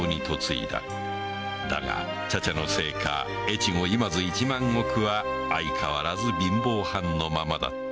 だが茶々の生家・越後今津一万石は相変わらず貧乏藩のままだった